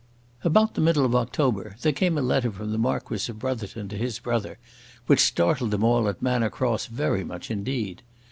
About the middle of October, there came a letter from the Marquis of Brotherton to his brother, which startled them all at Manor Cross very much indeed.